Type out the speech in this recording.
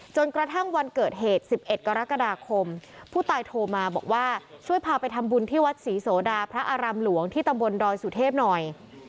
จนกระทั่งวันเกิดเหตุ๑๑กรกฎาคมผู้ตายโทรมาบอกว่าช่วยพาไปทำบุญที่วัดศรีโสดาพระอารามหลวงที่ตำบลดอยสุเทพหน่อย